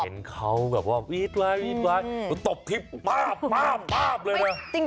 เห็นเขาแบบว่าวีดไว้วีดไว้ตบทิพย์ป้าบเลยนะ